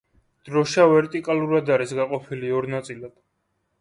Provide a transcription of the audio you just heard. დროშა ვერტიკალურად არის გაყოფილი ორ ნაწილად.